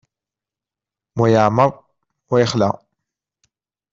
Wa yeεmer, wa yexla.